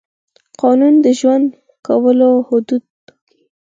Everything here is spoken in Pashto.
قانون د ژوند کولو حدود ټاکي.